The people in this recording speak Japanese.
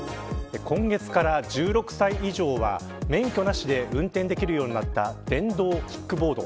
今月から１６歳以上は免許なしで運転できるようになった電動キックボード。